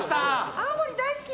青森大好き！